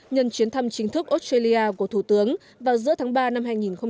nhân chuyến thăm chính thức australia của thủ tướng vào giữa tháng ba năm hai nghìn một mươi tám